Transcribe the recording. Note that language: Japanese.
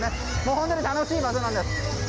本当に楽しい場所なんです。